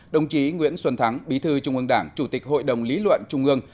đồng chí nguyễn xuân thắng bí thư trung ương đảng chủ tịch hội đồng lý luận trung ương